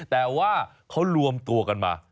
แต่ว่าเขารวมตัวกันมา